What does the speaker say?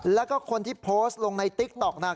แล้วก็คนที่โพสต์ลงในติ๊กต๊อกนั้น